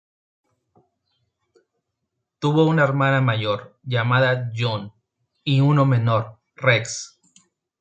Tuvo una hermana mayor llamada June y uno menor, Rex.